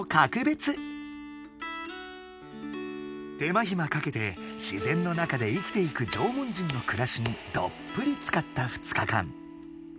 手間ひまかけて自然の中で生きていく縄文人の暮らしにどっぷりつかった２日間。